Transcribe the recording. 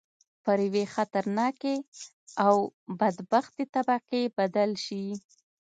پر یوې خطرناکې او بدبختې طبقې بدل شي.